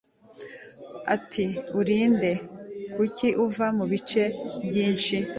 Ati Uri nde Kuki uva mubice byinshi